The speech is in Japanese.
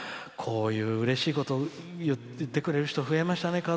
こういう、うれしいことを言ってくれる人増えましたね。